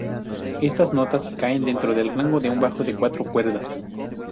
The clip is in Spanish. Estas notas caen dentro del rango de un bajo de cuatro cuerdas.